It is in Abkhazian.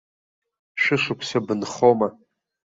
Шәышықәса бынхома?